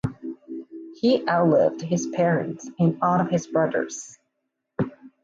He outlived his parents and all of his brothers.